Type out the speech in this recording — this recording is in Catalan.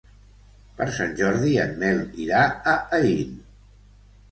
Per Sant Jordi en Nel irà a Aín.